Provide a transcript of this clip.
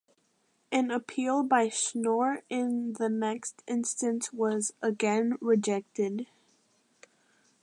An appeal by Schnoor in the next instance was again rejected.